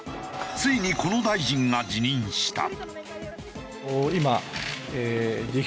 ついにこの大臣が辞任した。